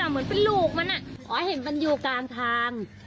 เหมือนเป็นลูกมันขอให้เห็นมันอยู่กลางทาง